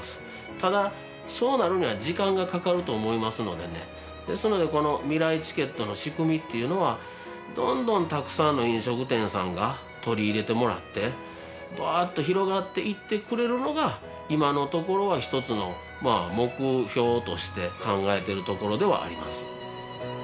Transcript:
ただそうなるには時間がかかると思いますのでねですのでこのみらいチケットの仕組みっていうのはどんどんたくさんの飲食店さんが取り入れてもらってバーッと広がっていってくれるのが今のところは一つの目標として考えてるところではあります。